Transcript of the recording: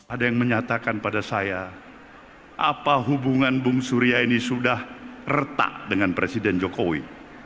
ada yang menyatakan pada saya apa hubungan bung surya ini sudah retak dengan presiden jokowi